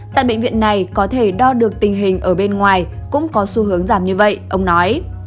tại bệnh viện này có thể đo được tình hình ở bên ngoài cũng có xu hướng giảm như vậy ông nói